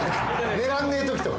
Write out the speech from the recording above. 寝らんねえときとか。